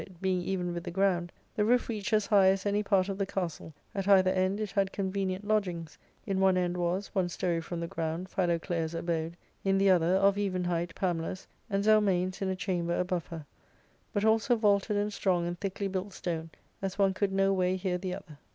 it being even with the ground, the roof reached as high as any part of the castle, at either end it had convenient lodgings. In the one end was, one storey from the ground, Philoclea's abode, in the other, of even height, Pamela's, and Zelmane's in a chamber above her ; but all so vaulted of strong and thickly built stone as one could no way hear the other.